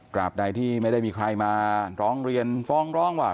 ใดที่ไม่ได้มีใครมาร้องเรียนฟ้องร้องว่า